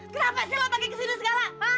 kenapa sih lu pake kesini segala